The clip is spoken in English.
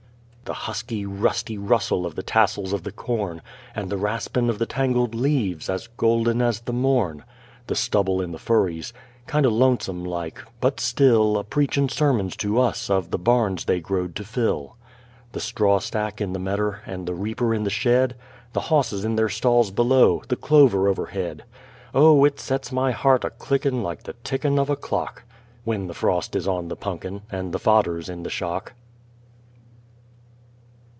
The husky, rusty rustle of the tassels of the corn, And the raspin' of the tangled leaves as golden as the morn; The stubble in the furries kind o' lonesome like, but still A preachin' sermons to us of the barns they growed to fill; The straw stack in the medder, and the reaper in the shed, The hosses in their stalls below, the clover overhead, Oh, it sets my heart a clickin' like the tickin' of a clock, When the frost is on the punkin and the fodder's in the shock.